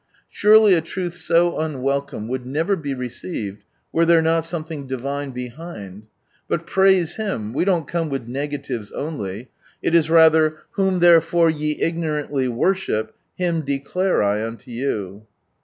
Surely a truth so unwelcome would never be received, were there not something Divine behind. But praise Him ! we don't come with negatives only. It is rather, "Whom therefore ye ignorantly worship, Him declare I unto you."